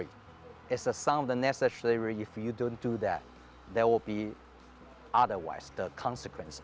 jika kita tidak melakukan itu akan ada pengaruh lain